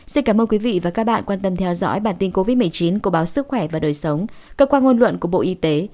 xin cảm ơn quý vị và các bạn quan tâm theo dõi bản tin covid một mươi chín của báo sức khỏe và đời sống cơ quan ngôn luận của bộ y tế